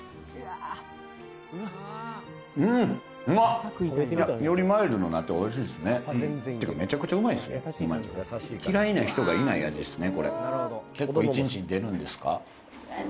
これなので何かこうよりマイルドになっておいしいっすねってかめちゃくちゃうまいっすねホンマに嫌いな人がいない味ですね